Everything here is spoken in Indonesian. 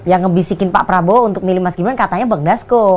yang ngebisikin pak prabowo untuk milih mas gibran katanya bang dasko